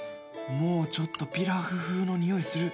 もうちょっとピラフ風の匂いする。